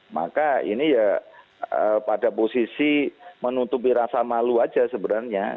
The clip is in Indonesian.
maka ini ya pada posisi menutupi rasa malu aja sebenarnya